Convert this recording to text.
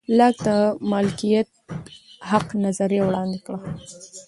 لاک د مالکیت حق نظریه وړاندې کړه.